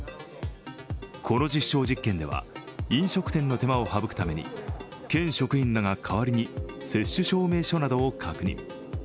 この実証実験では飲食店の手間を省くために県職員らが代わりに接種証明書などを確認。